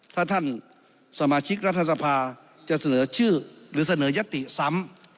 ถ้าท่านสมาชิกรัฐสภาจะเสนอชื่อหรือเสนอยัตติซ้ำ